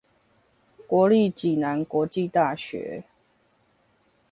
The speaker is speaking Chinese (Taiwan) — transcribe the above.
國立暨南國際大學